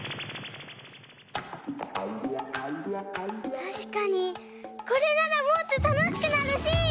たしかにこれならもっとたのしくなるし！